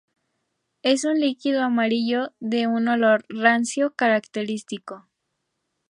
Es un líquido amarillo, de un olor rancio característico.